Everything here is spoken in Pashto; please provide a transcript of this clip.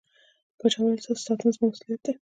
پاچا وويل: ستاسو ساتنه زما مسووليت دى.